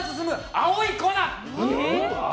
青い粉。